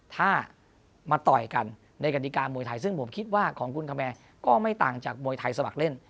ถ้ามาต่อยกันในกฎิกามวยไทยซึ่งผมคิดว่าของคุณคแมนก็ไม่ต่างจากมวยไทยสมัครเล่น